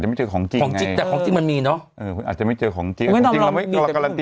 ไม่ต้องไปช่วยใช้ไอ้งั่งหรอก